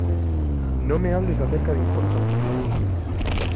No me hables acerca de importancia.